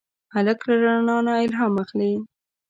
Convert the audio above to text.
هلک له رڼا نه الهام اخلي.